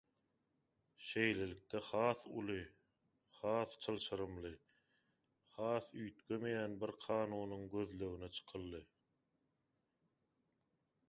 Şeýlelikde has uly, has çylşyrymly, has üýtgemeýän bir kanunyň gözlegine çykyldy.